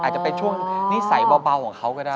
อาจจะเป็นช่วงนิสัยเบาของเขาก็ได้